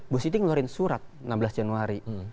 bu siti ngeluarin surat enam belas januari